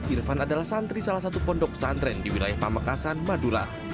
irfan adalah santri salah satu pondok pesantren di wilayah pamekasan madura